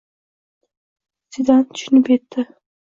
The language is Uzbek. – Zidan tushunib yetdi.